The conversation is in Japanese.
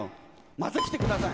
また来てください。